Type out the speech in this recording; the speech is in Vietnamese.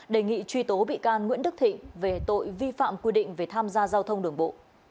đề nghị truy tố bị can nguyễn đức thịnh về tội vi phạm quy định về tham gia giao thông đường bộ